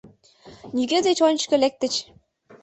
Нигӧ деч ончыко лектыч...